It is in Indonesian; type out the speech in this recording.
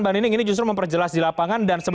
mbak nining ini justru memperjelas di lapangan dan